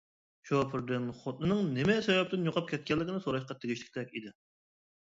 شوپۇردىن خوتۇنىنىڭ نېمە سەۋەبتىن يوقاپ كەتكەنلىكىنى سوراشقا تېگىشلىكتەك ئىدى.